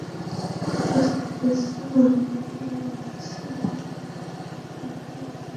রাসূল সাল্লাল্লাহু আলাইহি ওয়াসাল্লাম তাকে শান্ত হওয়ার নির্দেশ দিলে তিনি কখনোই শান্ত হতেন না।